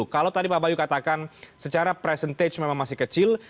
kalau tadi pak bayu katakan secara presentage memang masih kecil